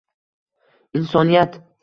Insoniyat